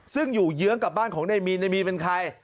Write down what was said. ซึ่งอยู่เยื้องกับบ้านของนายมีนในมีนเป็นใคร